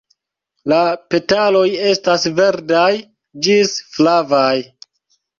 La petaloj estas verdaj ĝis flavaj.